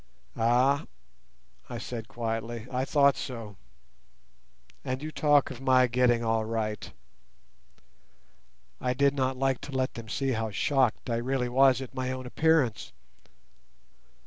"Ah," I said quietly, "I thought so; and you talk of my getting all right!" I did not like to let them see how shocked I really was at my own appearance.